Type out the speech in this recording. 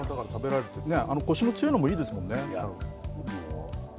コシの強いのもいいですもんね。